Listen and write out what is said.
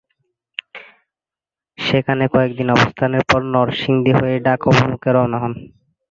সেখানে কয়েক দিন অবস্থানের পর নরসিংদী হয়ে ঢাকা অভিমুখে রওনা হন।